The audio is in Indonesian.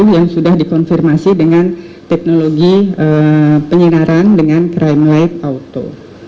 yang sudah dikonfirmasi dengan teknologi penyinaran dengan crime light auto